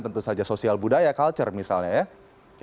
tentu saja sosial budaya culture misalnya ya